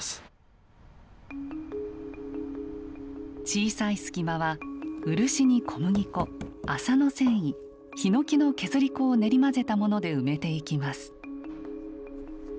小さい隙間は漆に小麦粉麻の繊維ヒノキの削り粉を練り混ぜたもので埋めていきます。